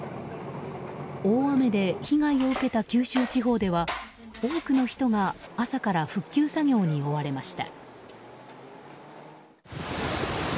大雨で被害を受けた九州地方では多くの人が朝から復旧作業に追われました。